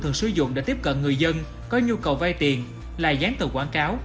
thường sử dụng để tiếp cận người dân có nhu cầu vay tiền là dán tờ quảng cáo